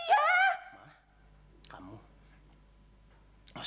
satria udah pulang belum